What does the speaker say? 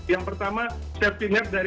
yang pertama safety net dari peraturan pemerintah